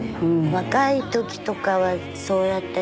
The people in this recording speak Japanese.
若いときとかはそうやって。